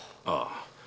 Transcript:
ああ。